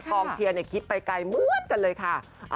คลอมเชียร์คิดไปไกลหมดเลยค่ะ